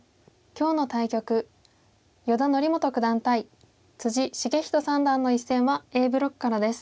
今日の対局依田紀基九段対篤仁三段の一戦はＡブロックからです。